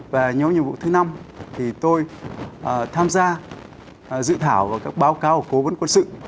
và nhóm nhiệm vụ thứ năm thì tôi tham gia dự thảo và các báo cáo của cố vấn quân sự